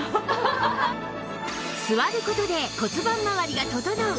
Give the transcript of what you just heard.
座る事で骨盤まわりが整う